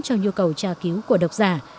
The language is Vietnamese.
cho nhu cầu tra cứu của độc giả